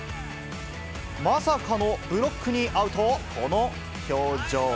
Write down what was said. まさかのブロックにあうと、この表情。